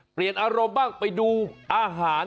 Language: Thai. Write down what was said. เปลี่ยนอารมณ์บ้างไปดูอาหาร